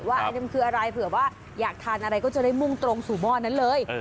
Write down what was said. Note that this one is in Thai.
อันนั้นมันคืออะไรเผื่อว่าอยากทานอะไรก็จะได้มุ่งตรงสู่หม้อนั้นเลย